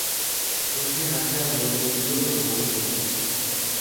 শশী হাসিয়া বলিল, তুইও তো বলিস মতি।